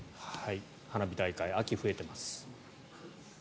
花火大会、秋が増えてます。